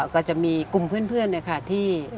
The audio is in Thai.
ก็จะมีกลุ่มเพื่อนนะคะที่